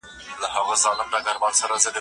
آیا بریالیتوب تر ناکامۍ ډېره خوښي راوړي؟